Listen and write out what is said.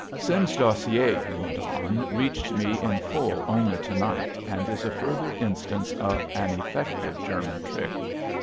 "Sims's dossier," he went on, "reached me in full only to night, and is a further instance of an effective German trick.